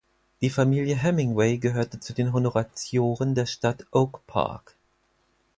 Die Familie Hemingway gehörte zu den Honoratioren der Stadt Oak Park.